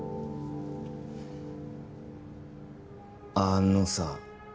あのさ